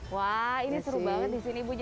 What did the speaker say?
wah ini seru banget di sini bu